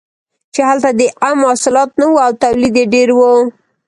چې هلته د عم حاصلات نه وو او تولید یې ډېر و.